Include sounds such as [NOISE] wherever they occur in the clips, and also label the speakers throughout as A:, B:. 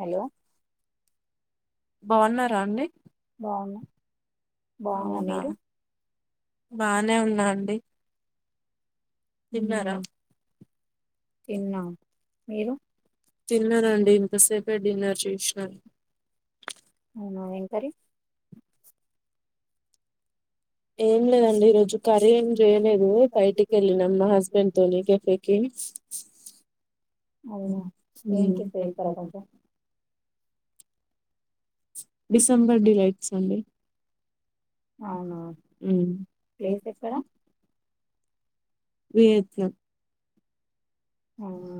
A: Hello
B: బాగున్నారా అండి
A: బావున్న మీరు
B: బానే ఉన్నా అండి తిన్నారా తిన్నారా అండి ఇంతసేపే డిన్నర్ చూసినను
A: అవునా ఎం కర్రి
B: ఏం లేదండి ఈరోజు కర్రీ ఏం చేయలేదు బయటికి వెళ్ళినాం మా హస్బెండ్ తోని కెఫేకి డిసెంబర్ డిలైట్స్ అండి ఉమ్ వియత్నాం
A: అవునా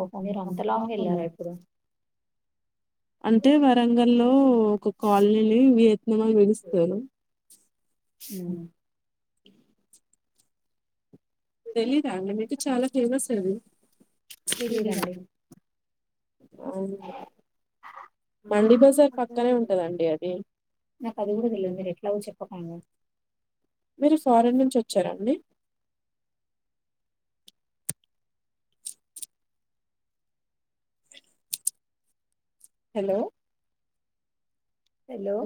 A: ఓహో మీరు అంతలాంగ్ వెళ్ళారా ఇప్పుడు
B: అంటే వరంగ లో ఒక కాలనీని వియత్నం అని పిలుస్తారు ఇ తెలీదం మీకు చాలా ఫేమస్ అది తె మండి బజార్ పక్కనే ఉంటుందండి అది మీరు ఫారెన్ నుంచి వచ్చారా అండి హలో
A: హలో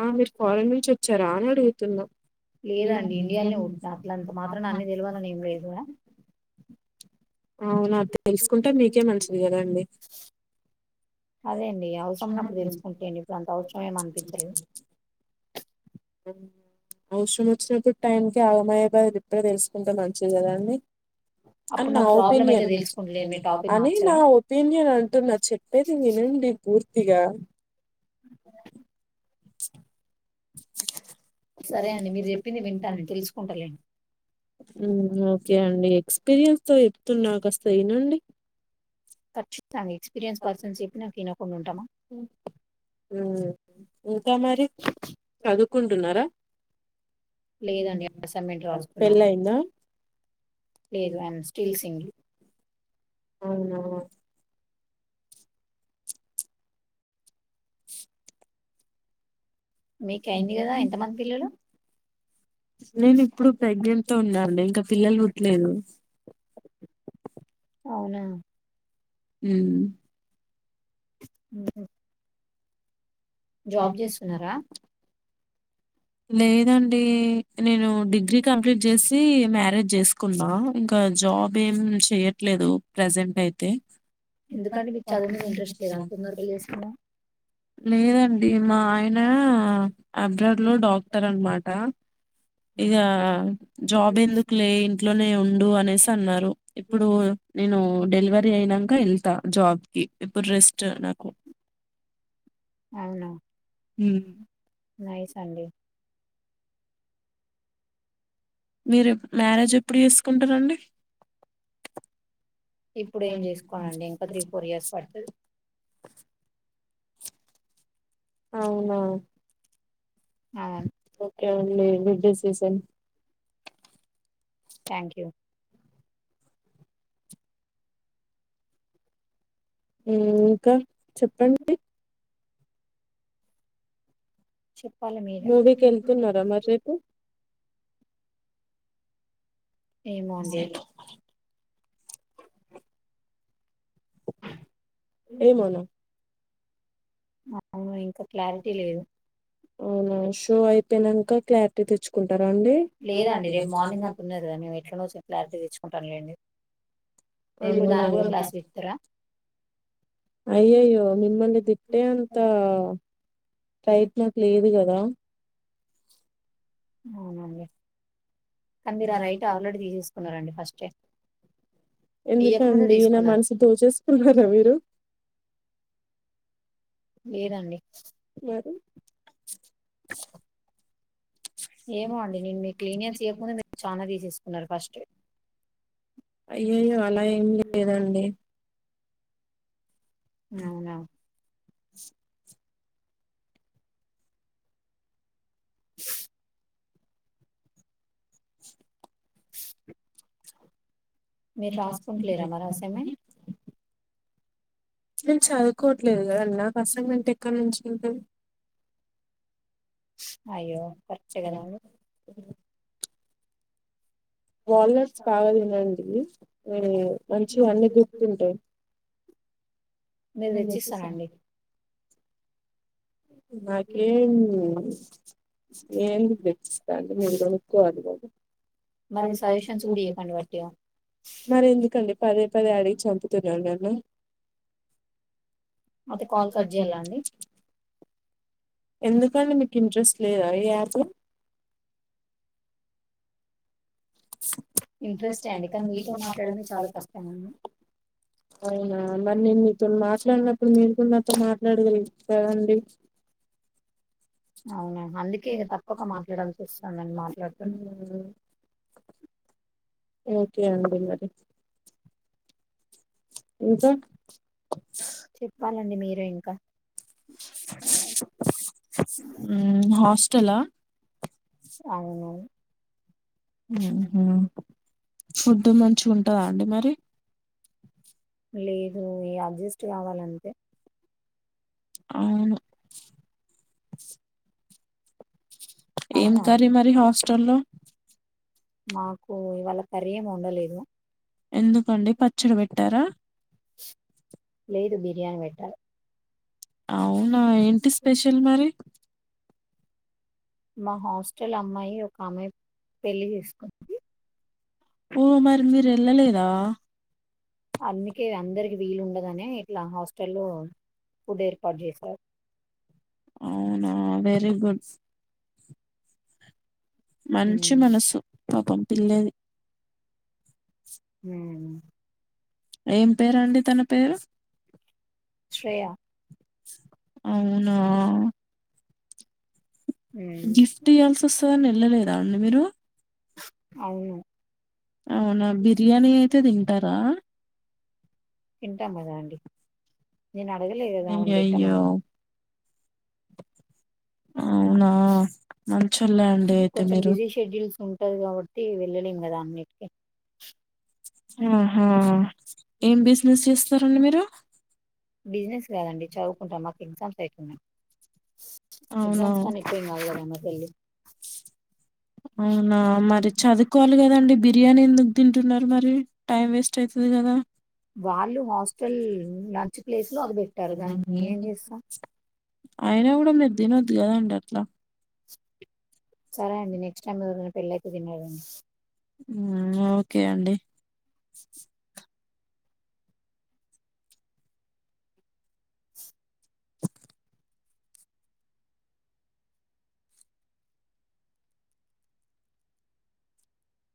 B: ఆ మీరు ఫారెన్ నుంచి వచ్చారా అని అడుగుతున్నా అవునా తెలుసుకుంటే మీకే మంచిది కదండి ఉ అవసరం వచ్చినప్పుడు టైంకి ఆగమాయే బదులు ఇప్పుడే తెలుసుకుంటే మంచిది కదా అని అని నా ఒపీనియన్ అని నా ఒపీనియన్ అంటున్నా చెప్పేది వినండి పూర్తిగా అ ఉమ్ ఓకే అండి ఎక్స్పీరియన్స్ తో చెప్తున్నా కాస్త ఇనండి
A: ఖచ్చి తంగా ఎక్స్పీరియన్స్ పర్సన్స్ చెప్పినంక ఇనకుండా ఉంటామా
B: ఇంకా మరి చదువుకుంటున్నారా పెళ్లేయిందా
A: లేదు ఐయామ్ స్టిల్ సింగిల్
B: అవునా నేను ఇప్పుడు ప్రెగ్నెంట్ తో ఉన్నా అండి ఇంకా పిల్లలు పుట్లేదు
A: అవునా
B: ఉమ్
A: అ జాబ్ చేస్తున్నారా
B: లేదండి నేను డిగ్రీ కంప్లీట్ చేసి మ్యారేజ్ చేసుకున్నా ఇంకా జాబ్ ఏం చెయట్లేదు ప్రెజెంట్ అయితే
A: ఎందుకండి మీకు చదువు మీద ఇంట్రెస్ట్ లేదా అంత తొందరగా పెళ్లి చేసుకున్నారు
B: లేదండి మా ఆయన అబ్రార్ లో డాక్టర్ అనమాట ఇక జాబ్ ఎందుకు లే ఇంట్లోనే ఉండు అనేసి అన్నారు ఇప్పుడు నేను డెలివరీ అయినాక వెళ్తా జాబ్ కి ఇప్పుడు రెస్ట్ నాకు
A: అవును ఉమ్ నైస్ అండి
B: మీరు మ్యారేజ్ ఎప్పుడు చేసుకుంటరు అండి
A: ఇప్పుడు చేసుకోనండి ఇంకా త్రీ ఫోర్ ఇయర్స్ పడుతుంది
B: అవునా ఓకే అండి విడ్డ సీజన్
A: థ్యాంక్ యూ
B: ఇంకా చెప్పండి
A: చెప్పాలి మీరు ఏమోండి
B: ఎమోనా
A: అవును ఇ క్లారిటీ లేదు
B: అవునా అయిపోయినాక క్లారిటీ తెచ్చుకుంటారా అండి
A: మీరు ఇప్పుడు దానికి కూడా క్లాసుకిప్తారా
B: అయ్యయ్యో మిమ్మల్ని తిట్టే అంత రైట్ నాకు లేదు కదా
A: అవునా అండీ
B: ఎందుకండి నా మనసు దోచేసుకున్నారా మీరు
A: లేదండి ఏమో అండి నేను మీ క్లీనియెన్స్ ఇయ్యక ముందు మీరు చానా తీసేసుకున్నారు ఫస్టే
B: అయ్యయ్యో అలా ఏం లేదండి
A: అవున స్ మీరు రాసుకుంట్లేరా మరా సమె
B: నేను చదువుకోవట్లేదు కదా నాక్ కష్టంగా అంటే ఎక్కడ నుంచి
A: అయ్యో కరెక్ట్ కదండి
B: వాల్నట్స్ బాగా వినండి ఆహ్ మంచి గా అన్నీ గుర్తుంటాయి.
A: మీరు తెచ్చిస్తారండి
B: నాకేం ఎమ్ ఏంస్తాండి మీరు కూడాకోవాలి కద మరి ఎందుకండి పదే పదే అడిగి చంపుతున్నాను నన్ను
A: అయితే కాల్ కట్ జేయాల అండి
B: ఎందుకండి మీకు ఇంట్రెస్ట్ లేద ఎయాప్ అవున మరి నేను మీతో మాట్లాడినప్పుడు మీరు కూడా నాతో మాట్లాడ డి
A: అవున అందుకే తప్పక మాట్లాడాల్సి వస్తుందండి మాట్లాడుతూన్నా
B: ఒకే అండి మరి ఇంకా
A: దె ఇంక అవును
B: ఆహ ఫుడ్ మంచిగా ఉంటందా అండి మరి
A: లేదూ అడ్జస్ట్ కావాలంటే
B: అవును ఏం కర్రి మరి హాస్టల్ల్లో
A: మాకు ఇవాళ కర్రీ ఏం వండలేదు
B: ఎందుకండి పచ్చడి పెట్టార
A: ఇయా పెట్టాలె
B: అవునా, ఏంటి స్పెషల్ మరి?
A: మా హాస్టల్ అమ్మాయి ఒక ఆమె, పెళ్లి చేసుకుంది.
B: ఓ! మరి మీరెళ్ళలేదా?
A: అందుకే, అందరికి వీలుండదనే ఎప్ ట్ల హాస్టల్లో
B: అవునా? Very good. మంచి మనసు. పాపం పిల్లది.
A: హ్మ్
B: ఏం పేరండి తన పేరు? అవునా! గిఫ్ట్ ఇయాల్సోస్తదని ఏళ్ళలేదా అండి మీరు?
A: అవును.
B: అవున? బిర్యానీ అయితే తింటార?
A: తింటాం కదా అండి. నేనడగలే గదా, ఆమెన్పేట్టమని.
B: అవునా. మంచోల్లె అండి అయితే మీరు.
A: టది కాబట్టి వెళ్లలేం గదా అన్నిట్కి.
B: ఆహా, ఏం బిజినెస్ చేస్తారండి మీరు?
A: బిజినెస్ కాదండి, చదువుకుంట మాకెగ్జామ్స్ ఐతున్నై. ఎగ్జామ్స్ కన్న ఎక్కువేం కాదు గదా అన్న పెళ్ళి. [UNINTELLIGIBLE]
B: అవునా మరి చదువుకోవాలి కదాండి బిర్యానీ ఎందుకు తింటున్నారు మరి టైం వేస్ట్ అయితది కదా
A: ప్లేస్ లో అది పెట్టారు దానికి మేమే ఏం చేస్తాం [INAUDIBLE] సరే అండి నెక్స్ట్ టైమ్ ఎవరన్న పెళ్ళయితే విన్నారండి
B: ఊహు ఓకే అండి [UNINTELLIGIBLE]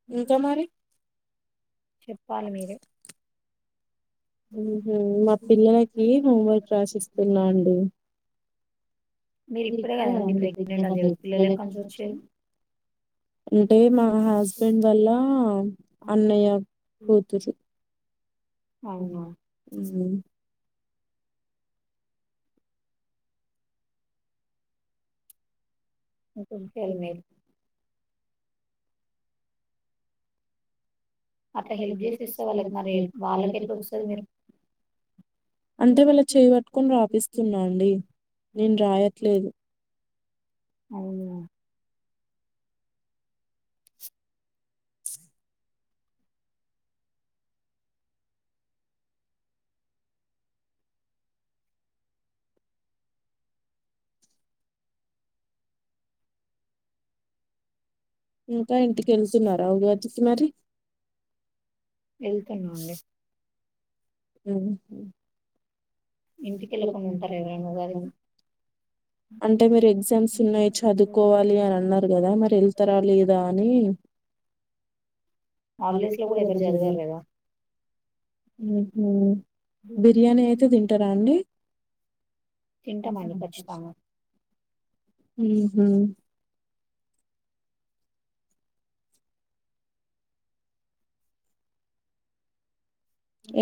A: ఎంత మనం చెప్పాలి మీరే
B: ఊహు మా పిల్లలకి హోంవర్క్ రాసిస్తున్నా అండి మీరు ఇప్పుడే కదా అండి ప్రెగ్నెంట్ అని చే పిల్లలు ఎక్కడి నుంచి వచ్చిల్లుఅంటే మా హస్బెండ్ వల్ల అన్నయ్య కూతురు ఉమ్
A: కుక్క వెలని అట్ల హెల్ప్ చేసి ఇస్తే వాళ్ళకి మరి వాళ్ళకి ఎట్లా వస్తుంది మీరు అవునా
B: ఇంకా ఇంటికిళ్తున్నారా అవుగాదు మరి మ్ అంటే మీరు ఎగ్జామ్స్ ఉన్నాయి చదువుకోవాలి అని అన్నారు కదా మరి వెళ్తారా లేదా అని ఊహూ బిర్యానీ అయితే తిం అండి ఊహూ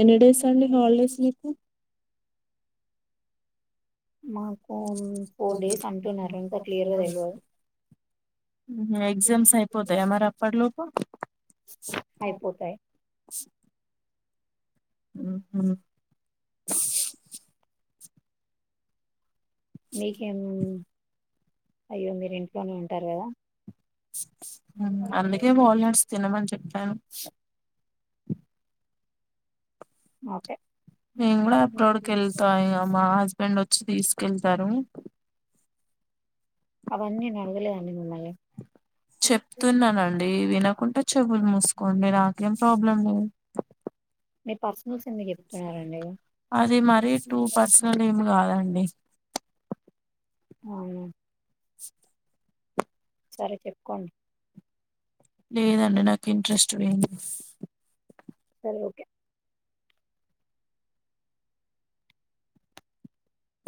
B: ఎన్ని డేస్ అండి హాలిడేస్ మీకు ఎగ్జామ్స్ అయిపోతయి అ మరి అప్పట్లోపు ము మ్
A: మీకెమ్ అయ్యో మీరు ఇంట్లోనే ఉంటారు కదా
B: అందుకే వాల్నట్స్ తినమని చెప్పాను
A: ఓకే
B: నేను కూడా అబ్రాడ్ కి వెళ్తా ఇక మా హస్బెండ్ వ తీసుకెళ్తారు చెప్తున్నానండి వినకుంటే చెవులు మూసుకోండి నాకేం ప్రాబ్లం లేదు
A: మీ పర్స్ చూసింది చెప్తున్నారండి అవునా సరే చెప్పుకోన్
B: లేదండి నాకు ఇంట్రెస్ట్ వోయింది
A: సరే ఓకే